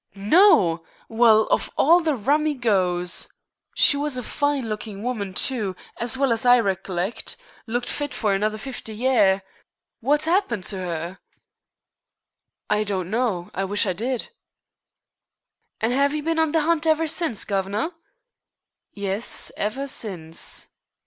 "No! Well, of all the rummy goes! She was a fine looking woman, too, as well as I rec'llect. Looked fit for another fifty year. Wot 'appened to 'er." "I don't know. I wish I did." "An' 'ave you been on the 'unt ever since, guv'nor?" "Yes, ever since."